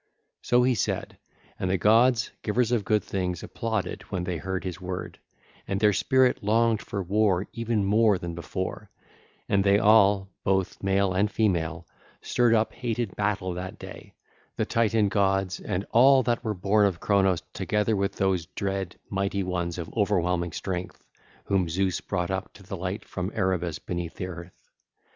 (ll. 664 686) So he said: and the gods, givers of good things, applauded when they heard his word, and their spirit longed for war even more than before, and they all, both male and female, stirred up hated battle that day, the Titan gods, and all that were born of Cronos together with those dread, mighty ones of overwhelming strength whom Zeus brought up to the light from Erebus beneath the earth.